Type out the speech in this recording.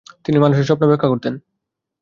তিনি মানুষের সপ্ন ব্যাখ্যা করতেন।